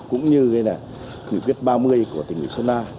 cũng như quyết ba mươi của tỉnh nguyễn sơn na